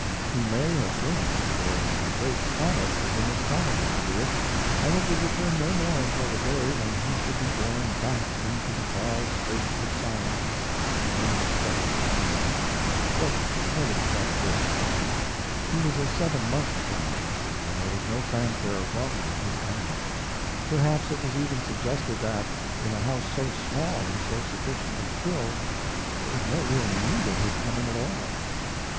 He may have been, for a great comet was in the sky that year, and it would return no more until the day when he should be borne back into the far spaces of silence and undiscovered suns. But nobody thought of this, then. He was a seven months child, and there was no fanfare of welcome at his coming. Perhaps it was even suggested that, in a house so small and so sufficiently filled, there was no real need of his coming at all.